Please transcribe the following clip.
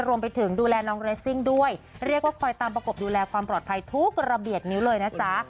รวมไปถึงดูแลน้องเรสซิ่งด้วยเรียกว่าคอยตามประกบดูแลความปลอดภัยทุกระเบียบนิ้วเลยนะจ๊ะ